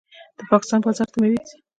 د پاکستان بازار ته میوې ځي.